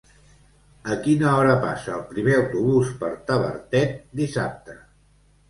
A quina hora passa el primer autobús per Tavertet dissabte?